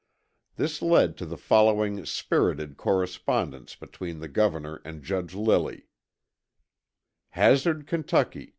This led to the following spirited correspondence between the Governor and Judge Lilly: Hazard, Ky.